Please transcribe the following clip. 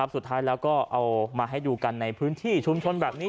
สุดท้ายแล้วก็เอามาให้ดูกันในพื้นที่ชุมชนแบบนี้